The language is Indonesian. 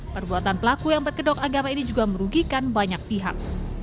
perbuatan pelaku yang berkedok agama ini juga merugikan banyak pihak